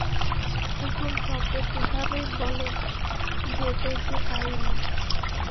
কুসুম সপ্রতিভভাবেই বলে, যেতে যে পারি না।